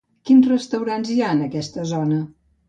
Quins restaurants hi ha en aquesta zona?